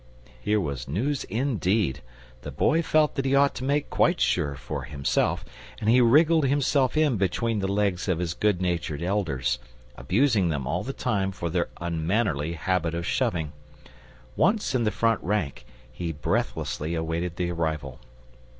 Here was news indeed! The Boy felt that he ought to make quite sure for himself, and he wriggled himself in between the legs of his good natured elders, abusing them all the time for their unmannerly habit of shoving. Once in the front rank, he breathlessly awaited the arrival.